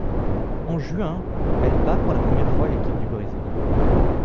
En juin, elle bat pour la première fois l'équipe du Brésil.